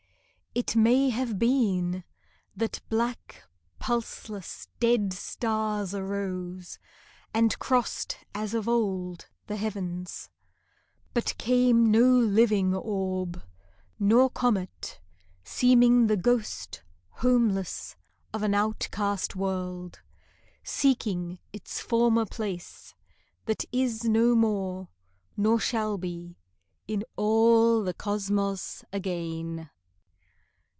It may have been that black, Pulseless, dead stars arose And crossed as of old the heavens. But came no living orb, Nor comet seeming the ghost, Homeless, of an outcast world, Seeking its former place That is no more nor shall be In all the Cosmos again.